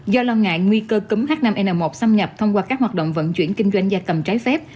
do lo ngại nguy cơ cúm h năm n một xâm nhập thông qua các hoạt động vận chuyển kinh doanh da cầm trái phép